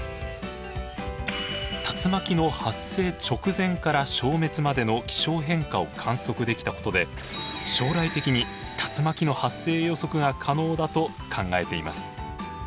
竜巻の発生直前から消滅までの気象変化を観測できたことで将来的に竜巻の発生予測が可能だと考えています。